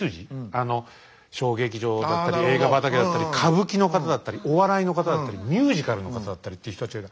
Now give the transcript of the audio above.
あの小劇場だったり映画畑だったり歌舞伎の方だったりお笑いの方だったりミュージカルの方だったりっていう人たちが。